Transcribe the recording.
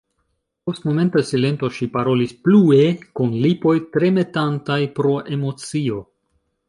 Post momenta silento ŝi parolis plue kun lipoj tremetantaj pro emocio: